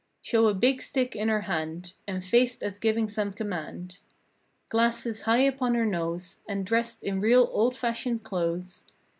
Show a big stick in her hand And faced as giving some command. Glasses high upon her nose And dressed in real old fashioned clothes.